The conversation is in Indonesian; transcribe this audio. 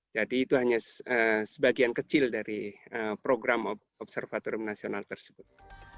jadi itu hanya sebagian kecil dari program observatorium nasional tersebut